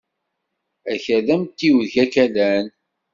Akal d amtiweg akalan.